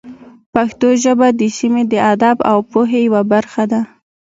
پښتو ژبه د سیمې د ادب او پوهې یوه برخه ده.